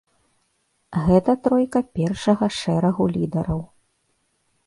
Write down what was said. Гэта тройка першага шэрагу лідараў.